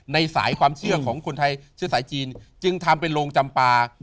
ในสายความเชื่อของคนไทยเชื้อสายจีนจึงทำเป็นโรงจำปลา